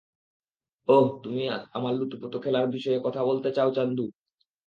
ওহ, তুমি আমার লুতুপুতু খেলার বিষয়ে কথা বলতে চাও, চান্দু?